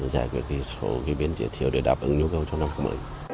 giải quyết số biên chế thiếu để đáp ứng nhu cầu cho năm hai nghìn hai mươi